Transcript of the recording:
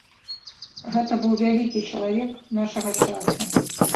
Гэта быў вялікі чалавек нашага часу.